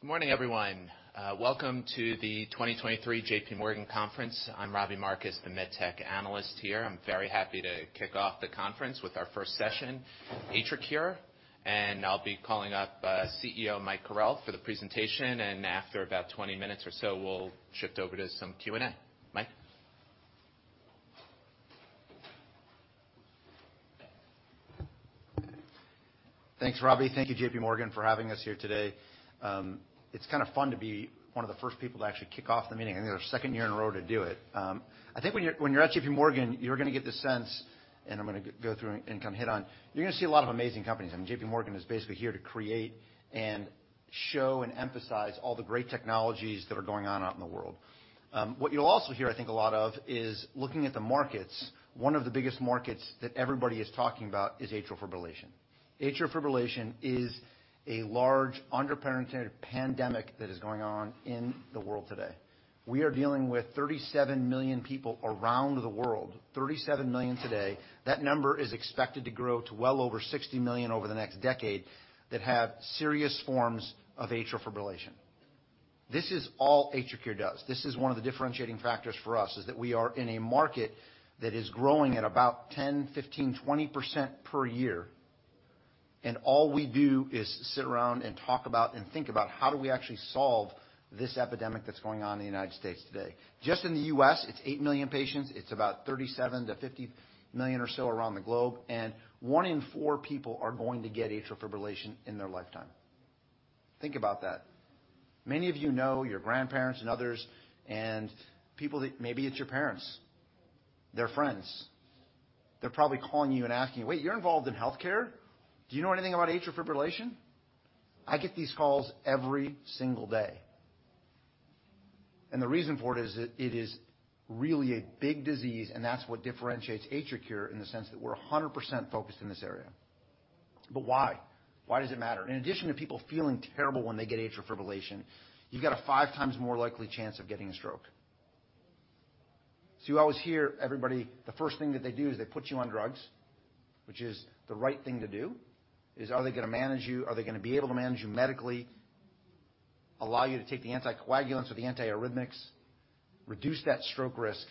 Good morning, everyone. welcome to the 2023 JPMorgan Conference. I'm Robbie Marcus, the med tech analyst here. I'm very happy to kick off the conference with our first session, AtriCure, and I'll be calling up, CEO Michael Carrel, for the presentation. after about 20 minutes or so, we'll shift over to some Q&A. Mike. Thanks, Robbie. Thank you, JPMorgan, for having us here today. It's kind of fun to be one of the first people to actually kick off the meeting. I think it's our second year in a row to do it. I think when you're, when you're at JPMorgan, you're gonna get the sense, and I'm gonna go through and kind of hit on, you're gonna see a lot of amazing companies. I mean, JPMorgan is basically here to create and show and emphasize all the great technologies that are going on out in the world. What you'll also hear, I think, a lot of is looking at the markets, one of the biggest markets that everybody is talking about is atrial fibrillation. Atrial fibrillation is a large under-penetrated pandemic that is going on in the world today. We are dealing with 37 million people around the world, 37 million today. That number is expected to grow to well over 60 million over the next decade that have serious forms of atrial fibrillation. This is all AtriCure does. This is one of the differentiating factors for us, is that we are in a market that is growing at about 10%, 15%, 20% per year, and all we do is sit around and talk about and think about how do we actually solve this epidemic that's going on in the U.S. today. Just in the U.S., it's 8 million patients. It's about 37 million-50 million or so around the globe, and one in four people are going to get atrial fibrillation in their lifetime. Think about that. Many of you know your grandparents and others and people that... Maybe it's your parents, their friends. They're probably calling you and asking you, "Wait, you're involved in healthcare? Do you know anything about atrial fibrillation?" I get these calls every single day. The reason for it is that it is really a big disease, and that's what differentiates AtriCure in the sense that we're a 100% focused in this area. Why? Why does it matter? In addition to people feeling terrible when they get atrial fibrillation, you've got a five times more likely chance of getting a stroke. You always hear everybody, the first thing that they do is they put you on drugs, which is the right thing to do, is are they gonna manage you? Are they gonna be able to manage you medically, allow you to take the anticoagulants or the antiarrhythmics, reduce that stroke risk?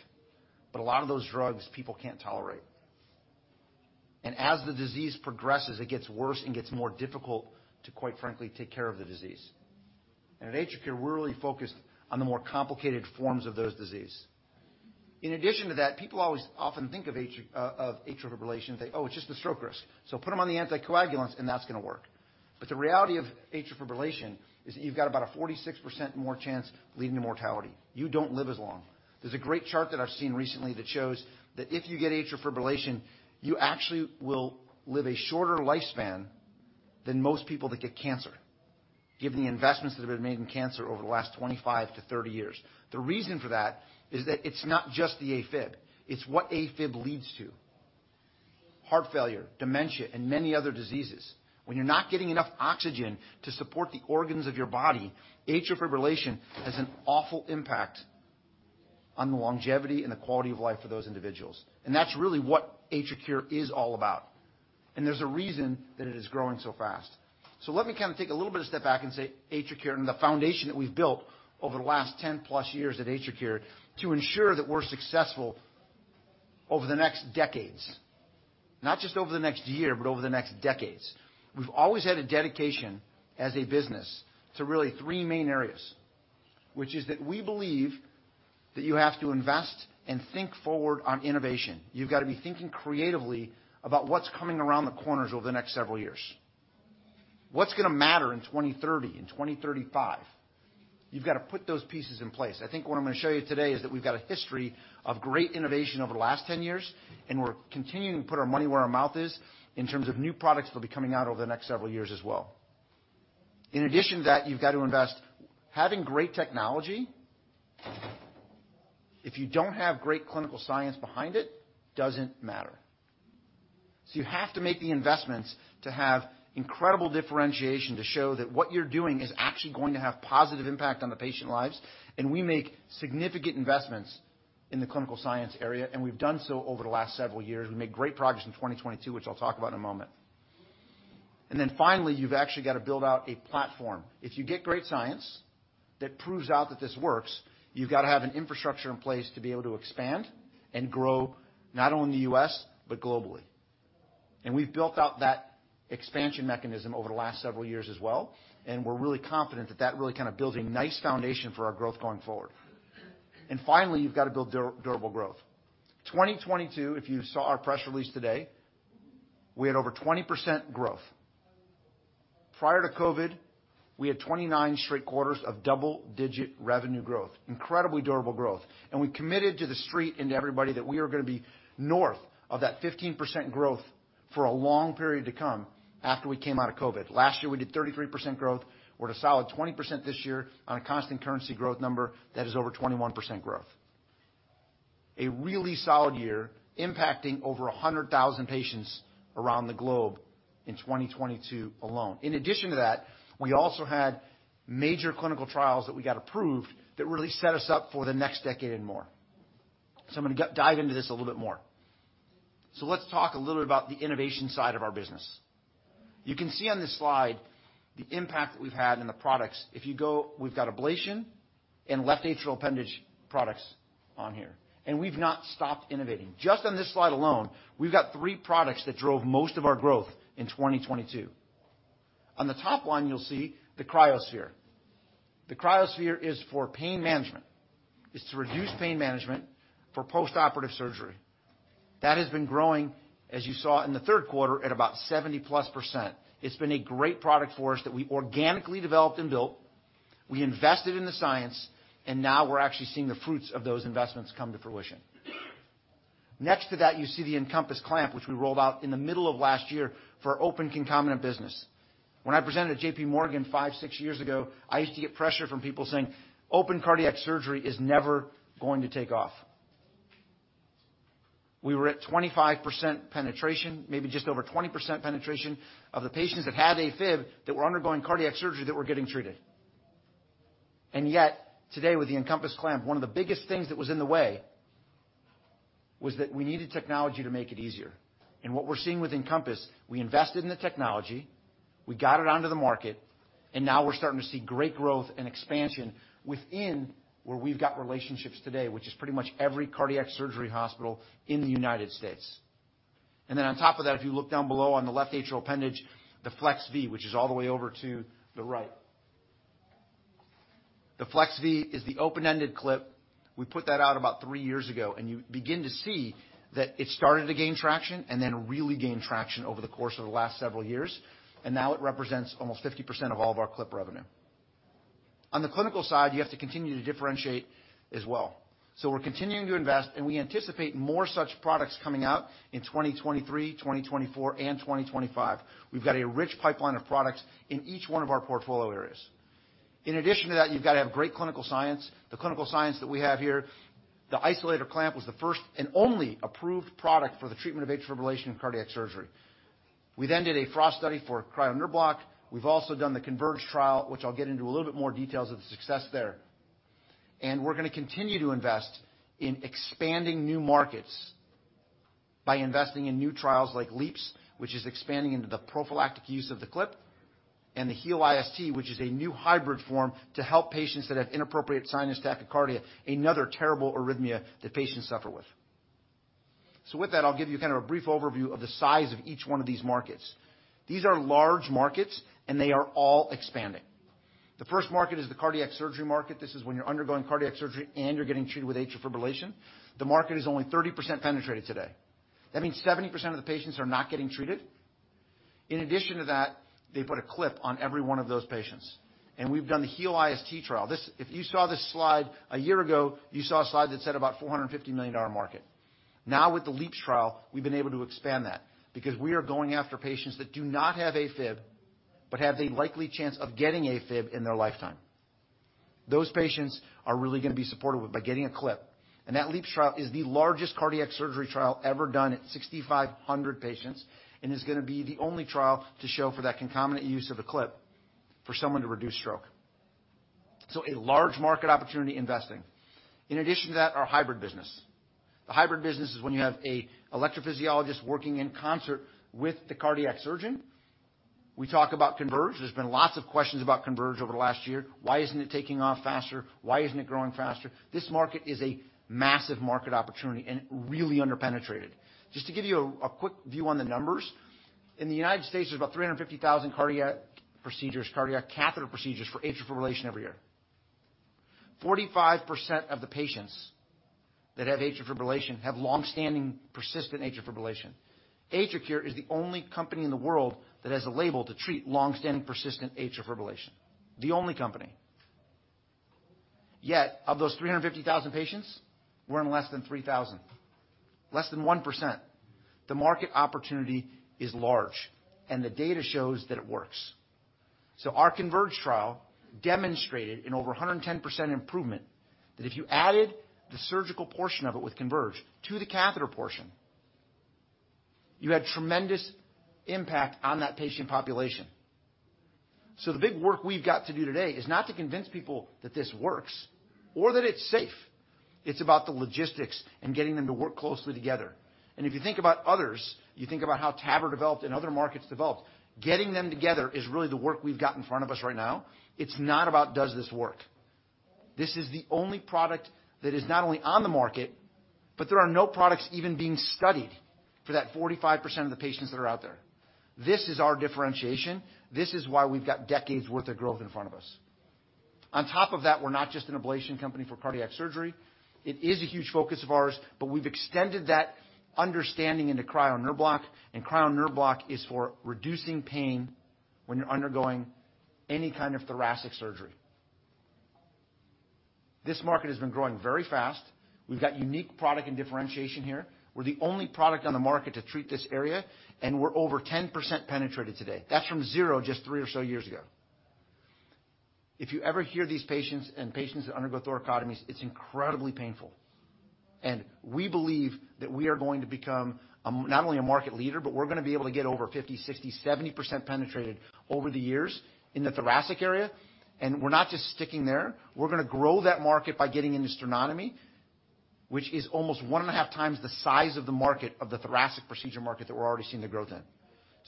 A lot of those drugs, people can't tolerate. As the disease progresses, it gets worse and gets more difficult to, quite frankly, take care of the disease. At AtriCure, we're really focused on the more complicated forms of those disease. In addition to that, people always often think of atrial fibrillation and say, "Oh, it's just the stroke risk, so put him on the anticoagulants and that's gonna work." The reality of atrial fibrillation is that you've got about a 46% more chance leading to mortality. You don't live as long. There's a great chart that I've seen recently that shows that if you get atrial fibrillation, you actually will live a shorter lifespan than most people that get cancer, given the investments that have been made in cancer over the last 25-30 years. The reason for that is that it's not just the AFib, it's what AFib leads to: heart failure, dementia, and many other diseases. When you're not getting enough oxygen to support the organs of your body, atrial fibrillation has an awful impact on the longevity and the quality of life for those individuals. That's really what AtriCure is all about. There's a reason that it is growing so fast. Let me kind of take a little bit of step back and say AtriCure and the foundation that we've built over the last 10 plus years at AtriCure to ensure that we're successful over the next decades, not just over the next year, but over the next decades. We've always had a dedication as a business to really three main areas, which is that we believe that you have to invest and think forward on innovation. You've gotta be thinking creatively about what's coming around the corners over the next several years. What's gonna matter in 2030, in 2035? You've gotta put those pieces in place. I think what I'm gonna show you today is that we've got a history of great innovation over the last 10 years, and we're continuing to put our money where our mouth is in terms of new products that'll be coming out over the next several years as well. In addition to that, you've got to invest. Having great technology, if you don't have great clinical science behind it, doesn't matter. You have to make the investments to have incredible differentiation to show that what you're doing is actually going to have positive impact on the patient lives, and we make significant investments in the clinical science area, and we've done so over the last several years. We made great progress in 2022, which I'll talk about in a moment. Finally, you've actually gotta build out a platform. If you get great science that proves out that this works, you've gotta have an infrastructure in place to be able to expand and grow, not only in the U.S., but globally. We've built out that expansion mechanism over the last several years as well, and we're really confident that that really kind of builds a nice foundation for our growth going forward. Finally, you've gotta build durable growth. 2022, if you saw our press release today, we had over 20% growth. Prior to COVID, we had 29 straight quarters of double-digit revenue growth, incredibly durable growth. We committed to the street and to everybody that we are gonna be north of that 15% growth for a long period to come after we came out of COVID. Last year, we did 33% growth. We're at a solid 20% this year on a constant currency growth number that is over 21% growth. A really solid year impacting over 100,000 patients around the globe in 2022 alone. In addition to that, we also had major clinical trials that we got approved that really set us up for the next decade and more. I'm gonna dive into this a little bit more. Let's talk a little bit about the innovation side of our business. You can see on this slide the impact that we've had in the products. If you go, we've got ablation and left atrial appendage products on here, we've not stopped innovating. Just on this slide alone, we've got three products that drove most of our growth in 2022. On the top line, you'll see the cryoSPHERE. The cryoSPHERE is for pain management. It's to reduce pain management for post-operative surgery. That has been growing, as you saw in the third quarter, at about 70%+. It's been a great product for us that we organically developed and built. We invested in the science, and now we're actually seeing the fruits of those investments come to fruition. Next to that, you see the EnCompass Clamp, which we rolled out in the middle of last year for open concomitant business. When I presented at JPMorgan five, six years ago, I used to get pressure from people saying open cardiac surgery is never going to take off. We were at 25% penetration, maybe just over 20% penetration of the patients that had AFib that were undergoing cardiac surgery that were getting treated. Yet today with the EnCompass Clamp, one of the biggest things that was in the way was that we needed technology to make it easier. What we're seeing with EnCompass, we invested in the technology, we got it onto the market, and now we're starting to see great growth and expansion within where we've got relationships today, which is pretty much every cardiac surgery hospital in the United States. Then on top of that, if you look down below on the left atrial appendage, the FLEX•V, which is all the way over to the right. The FLEX•V is the open-ended clip. We put that out about 3 years ago, and you begin to see that it started to gain traction and then really gain traction over the course of the last several years. Now it represents almost 50% of all of our clip revenue. On the clinical side, you have to continue to differentiate as well. We're continuing to invest, and we anticipate more such products coming out in 2023, 2024, and 2025. We've got a rich pipeline of products in each one of our portfolio areas. In addition to that, you've got to have great clinical science. The clinical science that we have here, the Isolator Synergy clamp was the first and only approved product for the treatment of atrial fibrillation in cardiac surgery. We did a FROST study for Cryo Nerve Block. We've also done the CONVERGE trial, which I'll get into a little bit more details of the success there. We're going to continue to invest in expanding new markets by investing in new trials like LeAAPS, which is expanding into the prophylactic use of the clip, and the HEAL-IST, which is a new hybrid form to help patients that have inappropriate sinus tachycardia, another terrible arrhythmia that patients suffer with. With that, I'll give you kind of a brief overview of the size of each one of these markets. These are large markets, and they are all expanding. The first market is the cardiac surgery market. This is when you're undergoing cardiac surgery and you're getting treated with atrial fibrillation. The market is only 30% penetrated today. That means 70% of the patients are not getting treated. In addition to that, they put a clip on every one of those patients. We've done the HEAL-IST trial. If you saw this slide a year ago, you saw a slide that said about $450 million market. Now with the LeAAPS trial, we've been able to expand that because we are going after patients that do not have AFib but have the likely chance of getting AFib in their lifetime. Those patients are really going to be supported by getting AtriClip. That LeAAPS trial is the largest cardiac surgery trial ever done at 6,500 patients and is going to be the only trial to show for that concomitant use of an AtriClip for someone to reduce stroke. A large market opportunity investing. In addition to that, our hybrid business. The hybrid business is when you have an electrophysiologist working in concert with the cardiac surgeon. We talk about CONVERGE. There's been lots of questions about CONVERGE over the last year. Why isn't it taking off faster? Why isn't it growing faster? This market is a massive market opportunity and really underpenetrated. Just to give you a quick view on the numbers. In the U.S., there's about 350,000 cardiac procedures, cardiac catheter procedures for atrial fibrillation every year. 45% of the patients that have atrial fibrillation have long-standing persistent atrial fibrillation. AtriCure is the only company in the world that has a label to treat long-standing persistent atrial fibrillation. The only company. Yet of those 350,000 patients, we're in less than 3,000, less than 1%. The market opportunity is large, and the data shows that it works. Our CONVERGE trial demonstrated in over a 110% improvement that if you added the surgical portion of it with CONVERGE to the catheter portion, you had tremendous impact on that patient population. The big work we've got to do today is not to convince people that this works or that it's safe. It's about the logistics and getting them to work closely together. If you think about others, you think about how TAVR developed and other markets developed, getting them together is really the work we've got in front of us right now. It's not about does this work. This is the only product that is not only on the market, but there are no products even being studied for that 45% of the patients that are out there. This is our differentiation. This is why we've got decades worth of growth in front of us. We're not just an ablation company for cardiac surgery. It is a huge focus of ours, but we've extended that understanding into Cryo Nerve Block, and Cryo Nerve Block is for reducing pain when you're undergoing any kind of thoracic surgery. This market has been growing very fast. We've got unique product and differentiation here. We're the only product on the market to treat this area, we're over 10% penetrated today. That's from zero just three or so years ago. If you ever hear these patients and patients that undergo thoracotomies, it's incredibly painful. We believe that we are going to become a, not only a market leader, but we're going to be able to get over 50%, 60%, 70% penetrated over the years in the thoracic area. We're not just sticking there. We're going to grow that market by getting into sternotomy, which is almost 1.5x the size of the market of the thoracic procedure market that we're already seeing the growth in.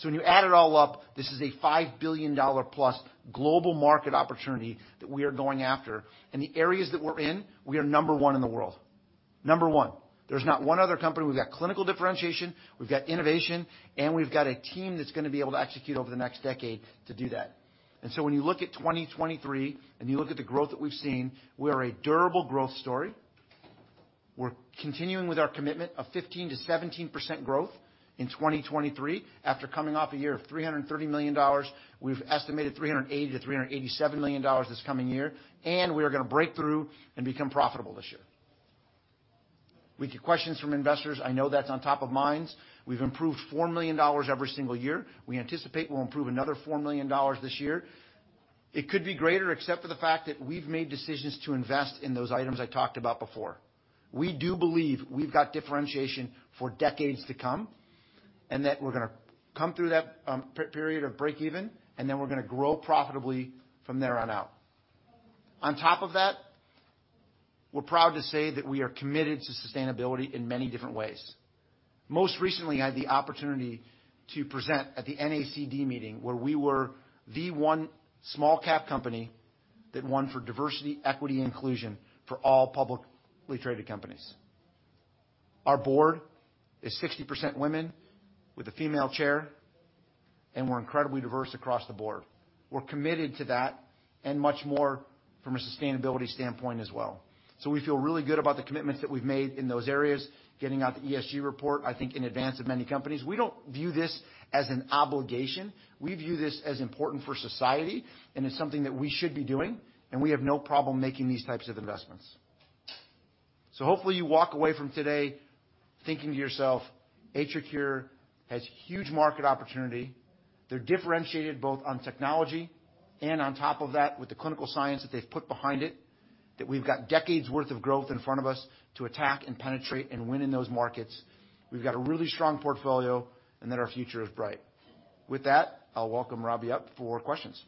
When you add it all up, this is a $5 billion plus global market opportunity that we are going after. The areas that we're in, we are number one in the world. Number one. There's not one other company. We've got clinical differentiation, we've got innovation, and we've got a team that's gonna be able to execute over the next decade to do that. When you look at 2023, and you look at the growth that we've seen, we are a durable growth story. We're continuing with our commitment of 15%-17% growth in 2023. After coming off a year of $330 million, we've estimated $380 million-$387 million this coming year, and we are gonna break through and become profitable this year. We get questions from investors. I know that's on top of minds. We've improved $4 million every single year. We anticipate we'll improve another $4 million this year. It could be greater, except for the fact that we've made decisions to invest in those items I talked about before. We do believe we've got differentiation for decades to come, and that we're gonna come through that period of break even, and then we're gonna grow profitably from there on out. We're proud to say that we are committed to sustainability in many different ways. Most recently, I had the opportunity to present at the NACD meeting, where we were the one small cap company that won for diversity, equity, and inclusion for all publicly traded companies. Our board is 60% women with a female chair, we're incredibly diverse across the board. We're committed to that and much more from a sustainability standpoint as well. We feel really good about the commitments that we've made in those areas, getting out the ESG report, I think, in advance of many companies. We don't view this as an obligation. We view this as important for society, and it's something that we should be doing, and we have no problem making these types of investments. Hopefully you walk away from today thinking to yourself, AtriCure has huge market opportunity. They're differentiated both on technology and on top of that, with the clinical science that they've put behind it, that we've got decades worth of growth in front of us to attack and penetrate and win in those markets. We've got a really strong portfolio, and that our future is bright. With that, I'll welcome Robbie up for questions.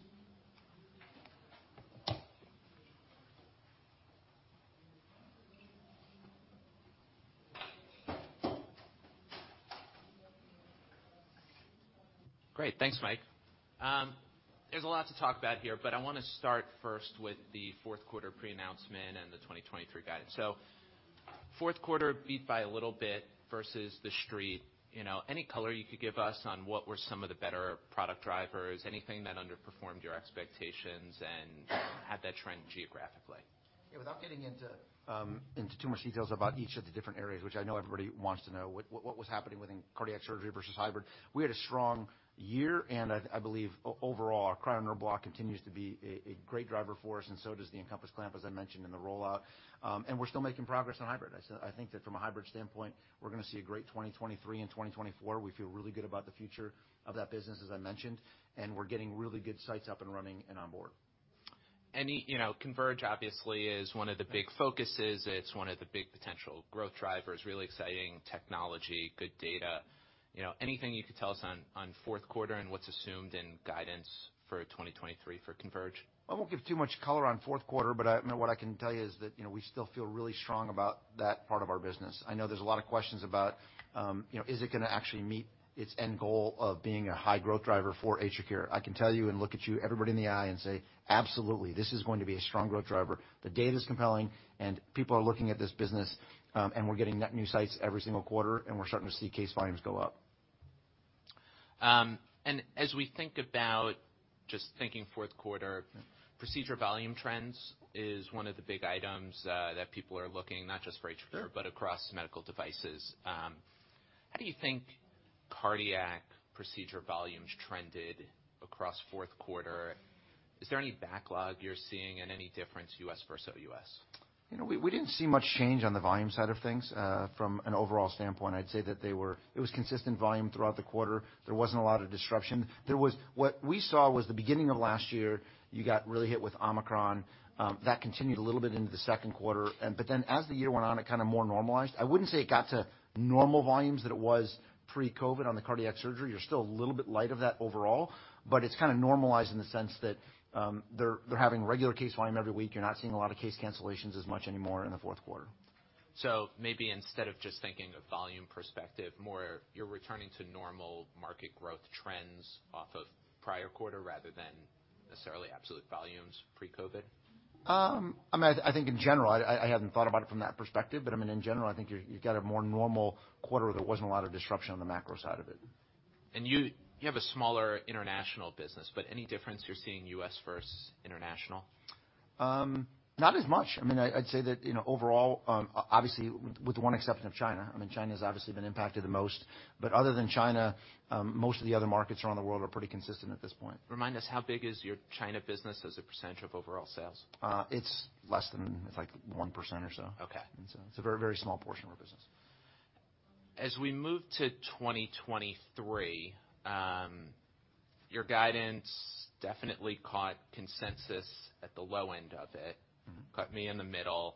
Great. Thanks, Mike. There's a lot to talk about here, I wanna start first with the fourth quarter pre-announcement and the 2023 guidance. Fourth quarter beat by a little bit versus the street. You know, any color you could give us on what were some of the better product drivers, anything that underperformed your expectations and how'd that trend geographically? Yeah, without getting into too much details about each of the different areas, which I know everybody wants to know what was happening within cardiac surgery versus hybrid. We had a strong year, I believe overall, our Cryo Nerve Block continues to be a great driver for us, and so does the EnCompass Clamp, as I mentioned in the rollout. We're still making progress on hybrid. I think that from a hybrid standpoint, we're gonna see a great 2023 and 2024. We feel really good about the future of that business, as I mentioned, we're getting really good sites up and running and on board. You know, CONVERGE obviously is one of the big focuses. It's one of the big potential growth drivers, really exciting technology, good data. You know, anything you could tell us on fourth quarter and what's assumed in guidance for 2023 for CONVERGE? I won't give too much color on fourth quarter. What I can tell you is that, you know, we still feel really strong about that part of our business. I know there's a lot of questions about, you know, is it going to actually meet its end goal of being a high growth driver for AtriCure? I can tell you and look at you, everybody in the eye and say, absolutely, this is going to be a strong growth driver. The data's compelling and people are looking at this business, and we're getting net new sites every single quarter, and we're starting to see case volumes go up. As we think about just thinking fourth quarter, procedure volume trends is one of the big items that people are looking, not just for AtriCure, but across medical devices. How do you think cardiac procedure volumes trended across fourth quarter? Is there any backlog you're seeing and any difference U.S. versus O.U.S.? You know, we didn't see much change on the volume side of things. From an overall standpoint, I'd say that it was consistent volume throughout the quarter. There wasn't a lot of disruption. What we saw was the beginning of last year, you got really hit with Omicron. That continued a little bit into the second quarter. As the year went on, it kinda more normalized. I wouldn't say it got to normal volumes that it was pre-COVID on the cardiac surgery. You're still a little bit light of that overall, but it's kinda normalized in the sense that they're having regular case volume every week. You're not seeing a lot of case cancellations as much anymore in the fourth quarter. Maybe instead of just thinking of volume perspective more, you're returning to normal market growth trends off of prior quarter rather than necessarily absolute volumes pre-COVID. I mean, I think in general, I haven't thought about it from that perspective, but I mean, in general, I think you got a more normal quarter where there wasn't a lot of disruption on the macro side of it. You have a smaller international business, but any difference you're seeing U.S. versus international? Not as much. I mean, I'd say that, you know, overall, obviously with the one exception of China, I mean, China's obviously been impacted the most. Other than China, most of the other markets around the world are pretty consistent at this point. Remind us, how big is your China business as a percentage of overall sales? It's less than, it's like 1% or so. Okay. It's a very, very small portion of our business. As we move to 2023, your guidance definitely caught consensus at the low end of it. Mm-hmm. Caught me in the middle.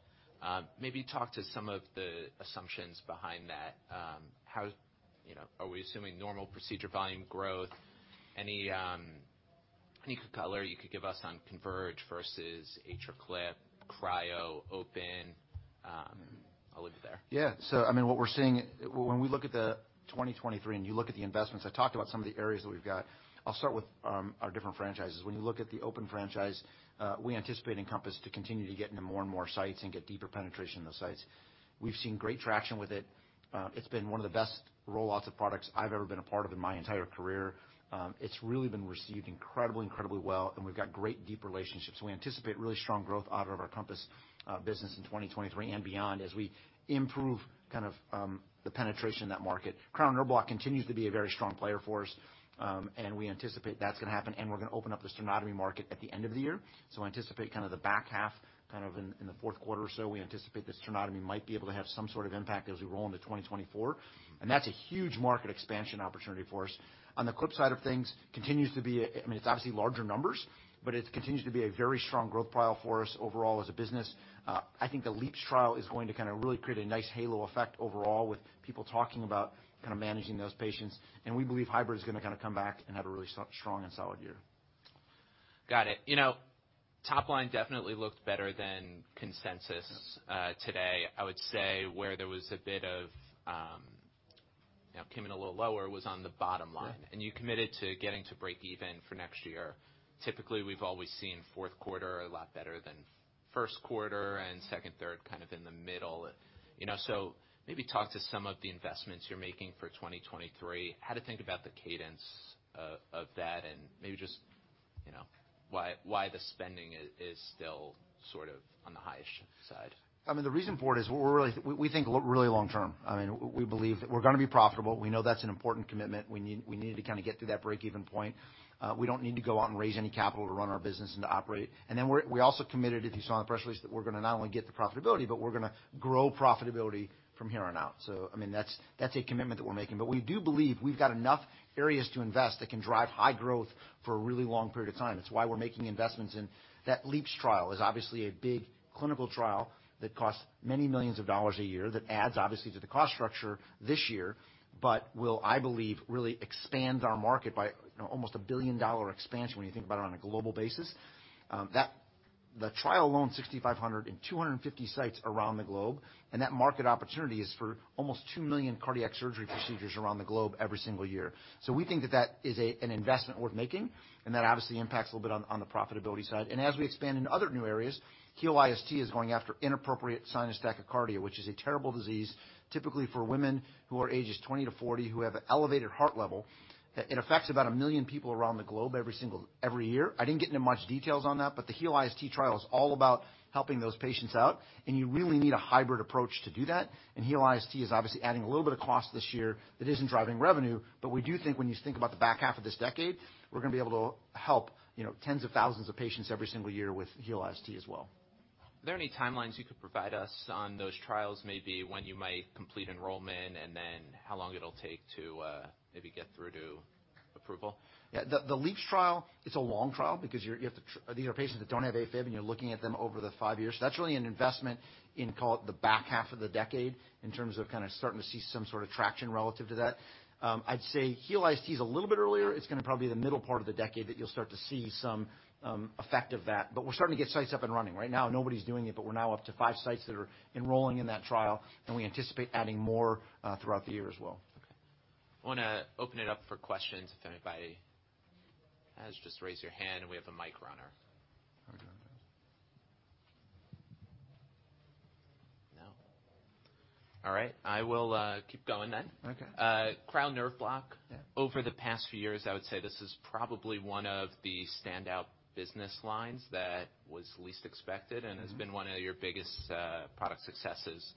Maybe talk to some of the assumptions behind that. How, you know, are we assuming normal procedure volume growth? Any color you could give us on CONVERGE versus AtriClip, Cryo, Open? I'll leave it there. I mean, what we're seeing, when we look at the 2023 and you look at the investments, I talked about some of the areas that we've got. I'll start with our different franchises. When you look at the Open franchise, we anticipate EnCompass to continue to get into more and more sites and get deeper penetration in those sites. We've seen great traction with it. It's been one of the best rollouts of products I've ever been a part of in my entire career. It's really been received incredibly well, and we've got great deep relationships. We anticipate really strong growth out of our Compass business in 2023 and beyond as we improve kind of the penetration in that market. Cryo Nerve Block continues to be a very strong player for us. We anticipate that's gonna happen, we're gonna open up the sternotomy market at the end of the year. Anticipate kind of the back half, kind of in the fourth quarter or so, we anticipate that sternotomy might be able to have some sort of impact as we roll into 2024. That's a huge market expansion opportunity for us. On the AtriClip side of things, continues to be a I mean, it's obviously larger numbers, it continues to be a very strong growth pile for us overall as a business. I think the LeAAPS trial is going to kind of really create a nice halo effect overall with people talking about kind of managing those patients. We believe hybrid is gonna kind of come back and have a really strong and solid year. Got it. You know, top line definitely looked better than consensus- Yes... today. I would say where there was a bit of, you know, came in a little lower was on the bottom line. Yeah. You committed to getting to break even for next year. Typically, we've always seen fourth quarter a lot better than first quarter and second, third kind of in the middle. Maybe talk to some of the investments you're making for 2023, how to think about the cadence of that, and maybe just, you know, why the spending is still sort of on the highest side. I mean, the reason for it is we think really long term. I mean, we believe that we're gonna be profitable. We know that's an important commitment. We need to kind of get to that break-even point. We don't need to go out and raise any capital to run our business and to operate. Then we're, we also committed, if you saw in the press release, that we're gonna not only get to profitability, but we're gonna grow profitability from here on out. I mean, that's a commitment that we're making. We do believe we've got enough areas to invest that can drive high growth for a really long period of time. It's why we're making investments, that LeAAPS trial is obviously a big clinical trial that costs many millions of dollars a year that adds obviously to the cost structure this year, but will, I believe, really expand our market by, you know, almost a billion dollar expansion when you think about it on a global basis. The trial alone is 6,500 in 250 sites around the globe, and that market opportunity is for almost two million cardiac surgery procedures around the globe every single year. We think that that is an investment worth making, and that obviously impacts a little bit on the profitability side. As we expand into other new areas, HEAL-IST is going after inappropriate sinus tachycardia, which is a terrible disease, typically for women who are ages 20 to 40, who have an elevated heart level. It affects about 1 million people around the globe every single year. I didn't get into much details on that, but the HEAL-IST trial is all about helping those patients out, and you really need a hybrid approach to do that. HEAL-IST is obviously adding a little bit of cost this year that isn't driving revenue. We do think when you think about the back half of this decade, we're gonna be able to help, you know, tens of thousands of patients every single year with HEAL-IST as well. Are there any timelines you could provide us on those trials, maybe when you might complete enrollment and then how long it'll take to maybe get through to approval? The LeAAPS trial, it's a long trial because you have to these are patients that don't have AFib, and you're looking at them over the five years. That's really an investment in, call it, the back half of the decade in terms of kind of starting to see some sort of traction relative to that. I'd say HEAL-IST is a little bit earlier. It's gonna probably be the middle part of the decade that you'll start to see some effect of that. We're starting to get sites up and running. Right now, nobody's doing it, but we're now up to 5 sites that are enrolling in that trial, and we anticipate adding more throughout the year as well. Okay. I wanna open it up for questions if anybody has. Just raise your hand and we have a mic runner. How we doing? No. All right. I will keep going then. Okay. Cryo Nerve Block. Yeah. Over the past few years, I would say this is probably one of the standout business lines that was least expected and has been one of your biggest product successes.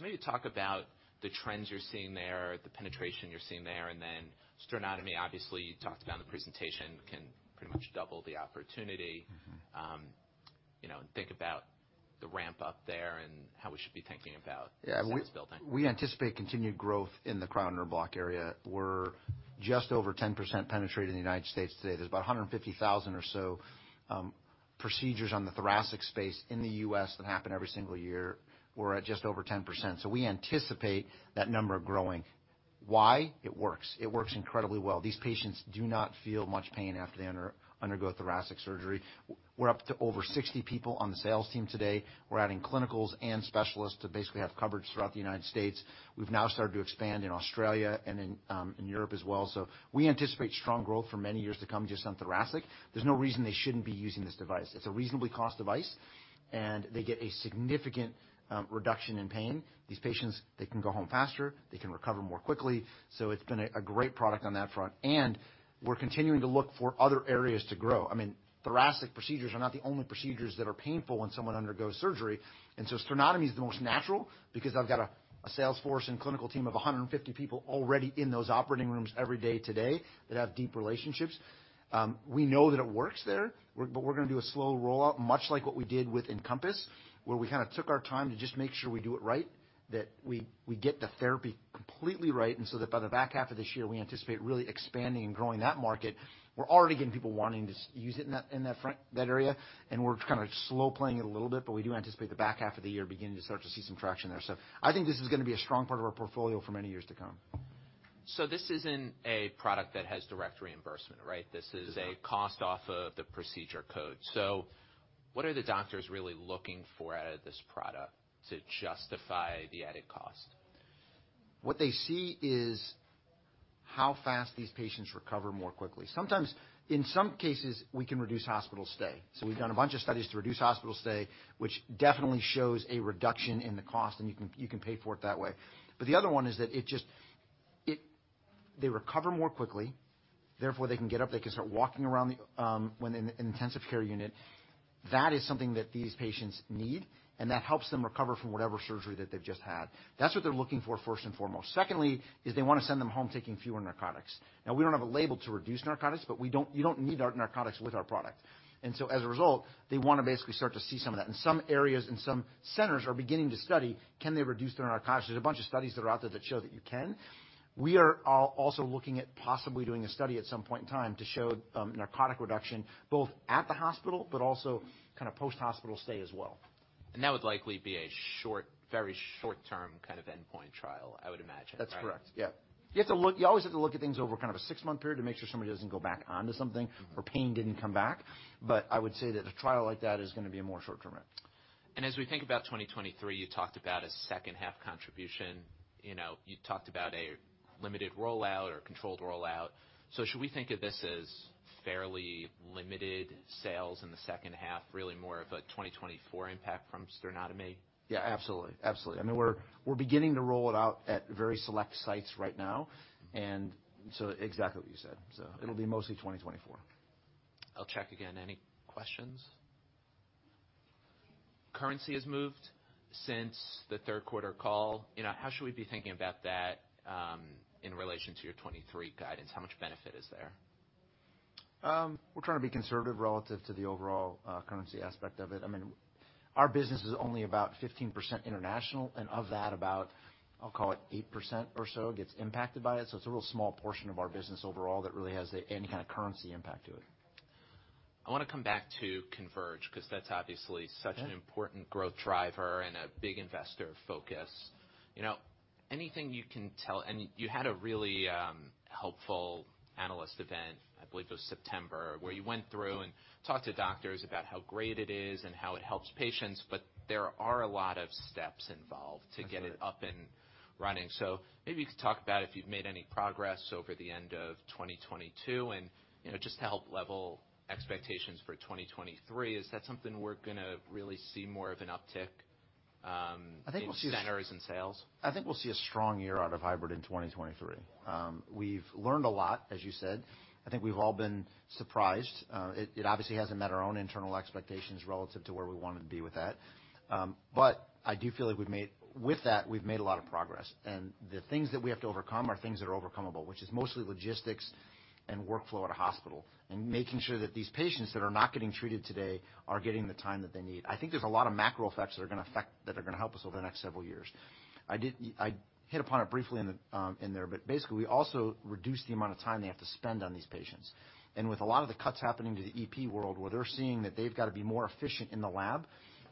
Maybe talk about the trends you're seeing there, the penetration you're seeing there, and then sternotomy, obviously, you talked about in the presentation, can pretty much double the opportunity. Mm-hmm. You know, think about the ramp-up there and how we should be thinking about- Yeah. -sales building. We anticipate continued growth in the Cryo Nerve Block area. We're just over 10% penetrated in the United States today. There's about 150,000 or so procedures on the thoracic space in the U.S. that happen every single year. We're at just over 10%. We anticipate that number growing. Why? It works. It works incredibly well. These patients do not feel much pain after they undergo thoracic surgery. We're up to over 60 people on the sales team today. We're adding clinicals and specialists to basically have coverage throughout the United States. We've now started to expand in Australia and in Europe as well. We anticipate strong growth for many years to come just on thoracic. There's no reason they shouldn't be using this device. It's a reasonably cost device, and they get a significant reduction in pain. These patients, they can go home faster, they can recover more quickly, so it's been a great product on that front. We're continuing to look for other areas to grow. I mean, thoracic procedures are not the only procedures that are painful when someone undergoes surgery. Sternotomy is the most natural because I've got a sales force and clinical team of 150 people already in those operating rooms every day today that have deep relationships. We know that it works there. But we're gonna do a slow rollout, much like what we did with EnCompass, where we kind of took our time to just make sure we do it right, that we get the therapy completely right, and so that by the back half of this year, we anticipate really expanding and growing that market. We're already getting people wanting to use it in that front, that area. We're kind of slow playing it a little bit. We do anticipate the back half of the year beginning to start to see some traction there. I think this is gonna be a strong part of our portfolio for many years to come. This isn't a product that has direct reimbursement, right? It does not. This is a cost off of the procedure code. What are the doctors really looking for out of this product to justify the added cost? What they see is how fast these patients recover more quickly. Sometimes, in some cases, we can reduce hospital stay. We've done a bunch of studies to reduce hospital stay, which definitely shows a reduction in the cost, and you can pay for it that way. The other one is that it just They recover more quickly. Therefore, they can get up, they can start walking around the, when they're in the intensive care unit. That is something that these patients need, and that helps them recover from whatever surgery that they've just had. That's what they're looking for, first and foremost. Secondly, is they wanna send them home taking fewer narcotics. We don't have a label to reduce narcotics, but you don't need our narcotics with our product. As a result, they wanna basically start to see some of that. In some areas and some centers are beginning to study, can they reduce their narcotics? There's a bunch of studies that are out there that show that you can. We are also looking at possibly doing a study at some point in time to show narcotic reduction, both at the hospital, but also kinda post-hospital stay as well. That would likely be a short, very short term kind of endpoint trial, I would imagine, right? That's correct. Yeah. You always have to look at things over kind of a six month period to make sure somebody doesn't go back onto something- Mm-hmm. -or pain didn't come back. I would say that a trial like that is gonna be more short-term. As we think about 2023, you talked about a second half contribution. You know, you talked about a limited rollout or controlled rollout. Should we think of this as fairly limited sales in the second half, really more of a 2024 impact from sternotomy? Yeah, absolutely. Absolutely. I mean, we're beginning to roll it out at very select sites right now. Exactly what you said. It'll be mostly 2024. I'll check again, any questions? Currency has moved since the third quarter call. You know, how should we be thinking about that, in relation to your 23 guidance? How much benefit is there? We're trying to be conservative relative to the overall, currency aspect of it. I mean, our business is only about 15% international, and of that, about, I'll call it 8% or so gets impacted by it. It's a real small portion of our business overall that really has any kind of currency impact to it. I wanna come back to CONVERGE, 'cause that's obviously. Yeah. an important growth driver and a big investor focus. You know, anything you can tell... You had a really, helpful analyst event, I believe it was September, where you went through and talked to doctors about how great it is and how it helps patients, but there are a lot of steps involved. That's right. To get it up and running. Maybe you could talk about if you've made any progress over the end of 2022. You know, just to help level expectations for 2023, is that something we're gonna really see more of an uptick? I think we'll see... In centers and sales? I think we'll see a strong year out of hybrid in 2023. We've learned a lot, as you said. I think we've all been surprised. It, it obviously hasn't met our own internal expectations relative to where we wanted to be with that. I do feel like we've made a lot of progress. The things that we have to overcome are things that are overcome-able, which is mostly logistics and workflow at a hospital, and making sure that these patients that are not getting treated today are getting the time that they need. I think there's a lot of macro effects that are gonna help us over the next several years. I hit upon it briefly in the in there, basically, we also reduce the amount of time they have to spend on these patients. With a lot of the cuts happening to the EP world, where they're seeing that they've got to be more efficient in the lab,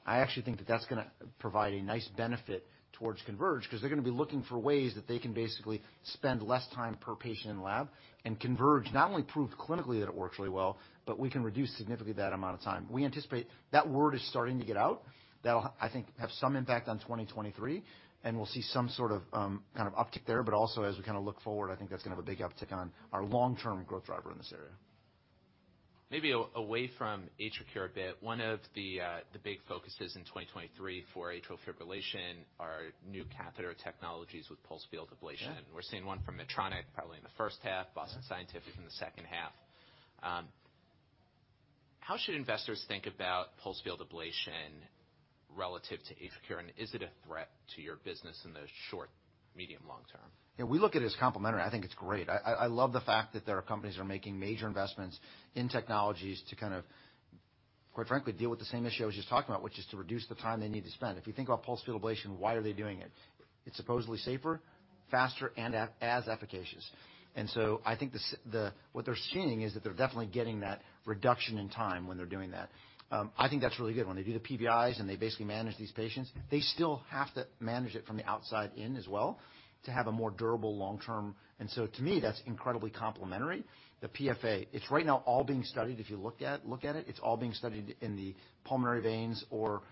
I actually think that that's gonna provide a nice benefit towards CONVERGE, 'cause they're gonna be looking for ways that they can basically spend less time per patient in lab and CONVERGE, not only prove clinically that it works really well, but we can reduce significantly that amount of time. We anticipate that word is starting to get out. That'll, I think, have some impact on 2023, and we'll see some sort of kind of uptick there. Also, as we kinda look forward, I think that's gonna have a big uptick on our long-term growth driver in this area. Maybe away from AtriCure a bit. One of the big focuses in 2023 for atrial fibrillation are new catheter technologies with pulsed field ablation. Yeah. We're seeing one from Medtronic, probably in the first half. Yeah. Boston Scientific in the second half. How should investors think about pulsed field ablation relative to AtriCure? Is it a threat to your business in the short, medium, long term? Yeah, we look at it as complementary. I think it's great. I love the fact that there are companies that are making major investments in technologies to kind of, quite frankly, deal with the same issue I was just talking about, which is to reduce the time they need to spend. If you think about pulsed field ablation, why are they doing it? It's supposedly safer, faster, and as efficacious. I think what they're seeing is that they're definitely getting that reduction in time when they're doing that. I think that's really good. When they do the PVI and they basically manage these patients, they still have to manage it from the outside in as well to have a more durable long-term. To me, that's incredibly complementary. The PFA, it's right now all being studied, if you look at it's all being studied in the pulmonary veins or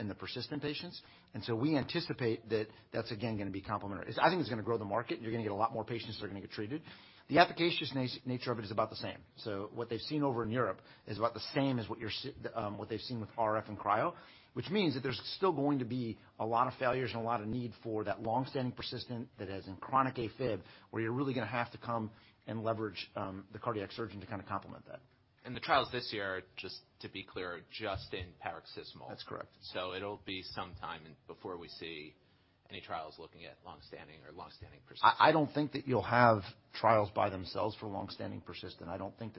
in the persistent patients. We anticipate that that's again gonna be complementary. I think it's gonna grow the market, and you're gonna get a lot more patients that are gonna get treated. The efficaciousness nature of it is about the same. What they've seen over in Europe is about the same as what they've seen with RF and cryo, which means that there's still going to be a lot of failures and a lot of need for that long-standing persistent that is in chronic AFib, where you're really gonna have to come and leverage the cardiac surgeon to kinda complement that. The trials this year, just to be clear, are just in paroxysmal. That's correct. It'll be some time before we see any trials looking at long-standing or long-standing persistent. I don't think that you'll have trials by themselves for long-standing persistent. I don't think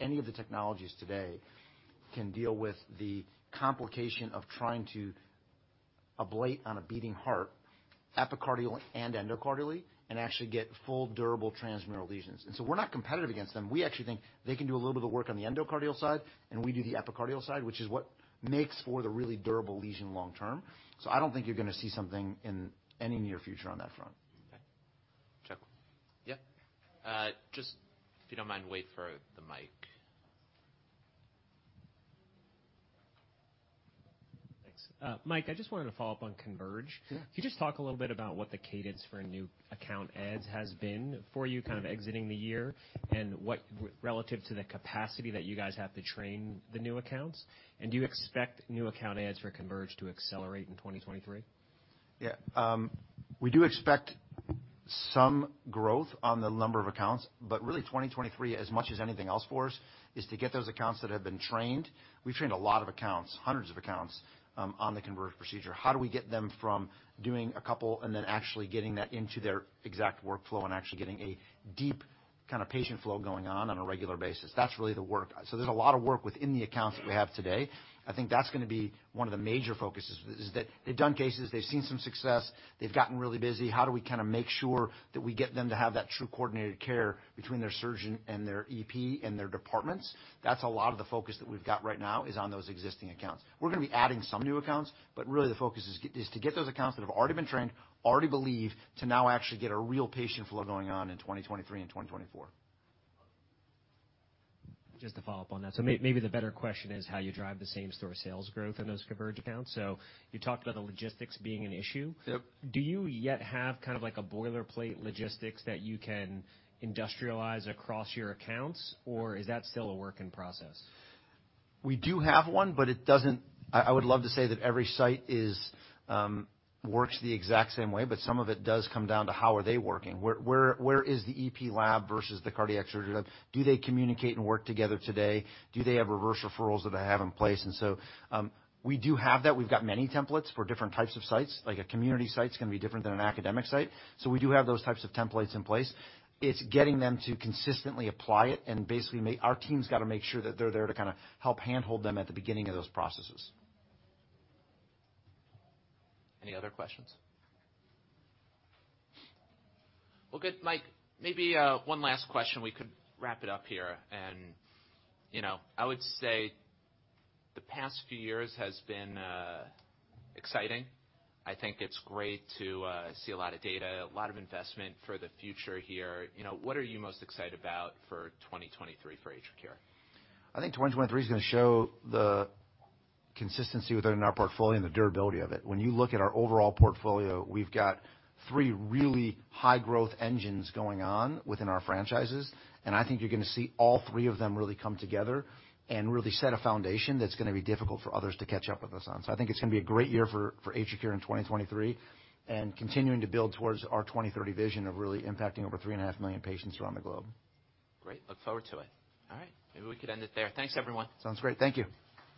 any of the technologies today can deal with the complication of trying to ablate on a beating heart epicardial and endocardially and actually get full durable transmural lesions. We're not competitive against them. We actually think they can do a little bit of work on the endocardial side, and we do the epicardial side, which is what makes for the really durable lesion long term. I don't think you're gonna see something in any near future on that front. Okay. Check. Yeah. Just if you don't mind, wait for the mic. Thanks. Mike, I just wanted to follow up on CONVERGE. Yeah. Can you just talk a little bit about what the cadence for new account adds has been for you kind of exiting the year, and what relative to the capacity that you guys have to train the new accounts? Do you expect new account adds for CONVERGE to accelerate in 2023? Yeah. We do expect some growth on the number of accounts, really 2023, as much as anything else for us, is to get those accounts that have been trained. We've trained a lot of accounts, hundreds of accounts, on the CONVERGE procedure. How do we get them from doing a couple and then actually getting that into their exact workflow and actually getting a deep kind of patient flow going on on a regular basis? That's really the work. There's a lot of work within the accounts that we have today. I think that's gonna be one of the major focuses, is that they've done cases, they've seen some success, they've gotten really busy. How do we kind of make sure that we get them to have that true coordinated care between their surgeon and their EP and their departments? That's a lot of the focus that we've got right now, is on those existing accounts. We're gonna be adding some new accounts, really the focus is to get those accounts that have already been trained, already believe, to now actually get a real patient flow going on in 2023 and 2024. Just to follow up on that. Maybe the better question is how you drive the same store sales growth in those CONVERGE accounts. You talked about the logistics being an issue. Yep. Do you yet have kind of like a boilerplate logistics that you can industrialize across your accounts, or is that still a work in process? We do have one, but it doesn't. I would love to say that every site works the exact same way, but some of it does come down to how are they working? Where is the EP lab versus the cardiac surgery lab? Do they communicate and work together today? Do they have reverse referrals that they have in place? We do have that. We've got many templates for different types of sites. Like a community site's gonna be different than an academic site. We do have those types of templates in place. It's getting them to consistently apply it and basically our team's going to make sure that they're there to kind of help handhold them at the beginning of those processes. Any other questions? Well, good. Mike, maybe, one last question, we could wrap it up here. You know, I would say the past few years has been, exciting. I think it's great to, see a lot of data, a lot of investment for the future here. You know, what are you most excited about for 2023 for AtriCure? I think 2023 is gonna show the consistency within our portfolio and the durability of it. When you look at our overall portfolio, we've got 3 really high growth engines going on within our franchises, and I think you're gonna see all 3 of them really come together and really set a foundation that's gonna be difficult for others to catch up with us on. I think it's gonna be a great year for AtriCure in 2023, and continuing to build towards our 2030 vision of really impacting over 3.5 million patients around the globe. Great. Look forward to it. All right. Maybe we could end it there. Thanks, everyone. Sounds great. Thank you.